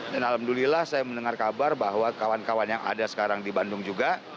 dan alhamdulillah saya mendengar kabar bahwa kawan kawan yang ada sekarang di bandung juga